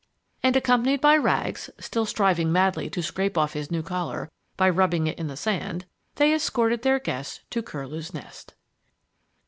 And accompanied by Rags, still striving madly to scrape off his new collar by rubbing it in the sand, they escorted their guest to Curlew's Nest!